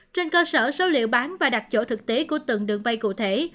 trên cơ sở số liệu bán và đặt chỗ thực tế của từng đường bay cụ thể